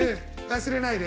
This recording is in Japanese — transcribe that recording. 忘れないで！